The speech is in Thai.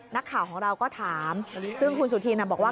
นักข่าวของเราก็ถามซึ่งคุณสุธินบอกว่า